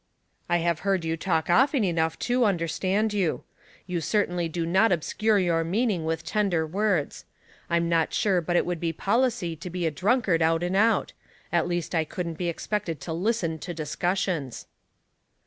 '*I have heard you talk often enough to under stand you. You certainly do not obscure your meaning with tender words. I'm not sure but it would be policy to be a drunkard out and out ; at least I couldn't be expected to listen to dis cussions.'